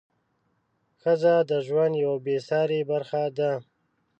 ښځه د ژوند یوه بې سارې برخه ده.